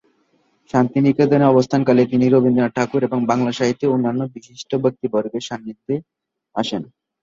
শান্তিনিকেতনে অবস্থানকালে, তিনি রবীন্দ্রনাথ ঠাকুর এবং বাংলা সাহিত্যের অন্যান্য বিশিষ্ট ব্যক্তিবর্গের সান্নিধ্যে আসেন।